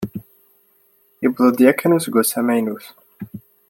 Yewweḍ-d yakan useggas amaynut.